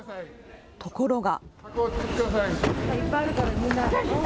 ところが。